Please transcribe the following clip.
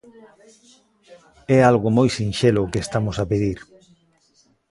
É algo moi sinxelo o que estamos a pedir.